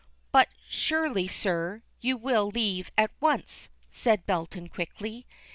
"But surely, sir, you will leave at once," said Belton quickly.